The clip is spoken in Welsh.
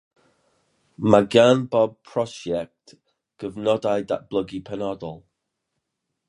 Mae gan bob prosiect gyfnodau datblygu penodol.